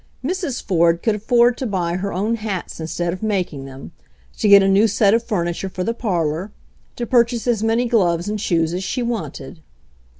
Mrs. Ford could afford to buy her own hats instead of making them, to get a new set of furni ture for the parlor, to purchase as many gloves and shoes as she wanted.